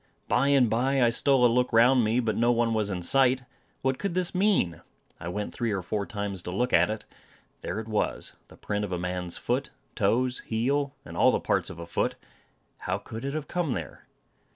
Bye and bye, I stole a look round me, but no one was in sight, What could this mean? I went three or four times to look at it. There it was the print of a man's foot; toes, heel, and all the parts of a foot. How could it have come there?